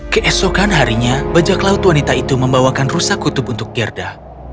keesokan harinya bajak laut wanita itu membawakan rusa kutub untuk gerda